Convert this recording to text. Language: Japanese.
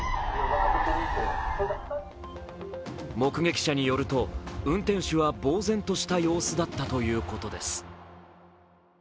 目撃者によると、運転手はぼう然とした様子だったということです。